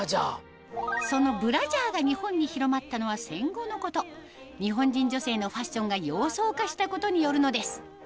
そのブラジャーが日本に広まったのは戦後のこと日本人女性のファッションが洋装化したことによるのです